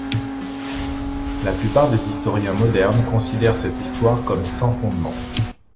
La plupart des historiens modernes considèrent cette histoire comme sans fondement.